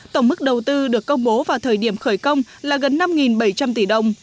tổng mức đầu tư được công bố vào thời điểm khởi công là gần năm bảy trăm linh tỷ đồng